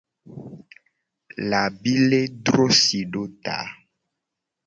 Labile dro si do ta.